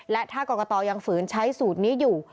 และถ้ากรกตยังฝืนใช้สูตรนี้อยู่